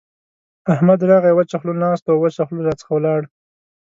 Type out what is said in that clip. احمد راغی؛ وچه خوله ناست وو او وچه خوله راڅخه ولاړ.